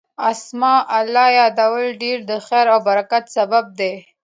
د اسماء الله يادول ډير د خير او برکت سبب دی